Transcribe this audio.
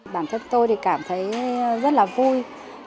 bản thân tôi cảm thấy rất là vui